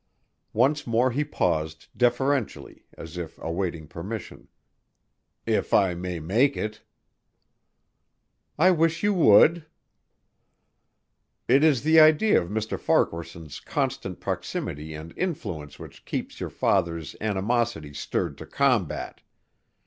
Once more he paused deferentially as if awaiting permission, "if I may make it." "I wish you would." "It is the idea of Mr. Farquaharson's constant proximity and influence which keeps your father's animosity stirred to combat.